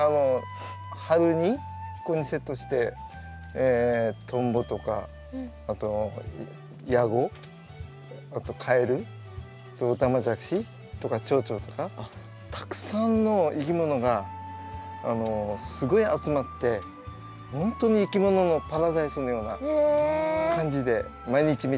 春にここにセットしてトンボとかあとヤゴあとカエルオタマジャクシとかチョウチョとかたくさんのいきものがすごい集まってほんとにいきもののパラダイスのような感じで毎日見てます。